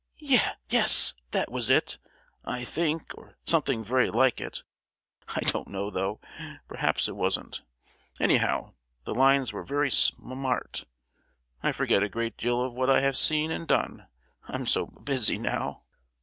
"Ye—yes, that was it, I think, or something very like it. I don't know, though—perhaps it wasn't. Anyhow, the lines were very sm—art. I forget a good deal of what I have seen and done. I'm so b—busy now!"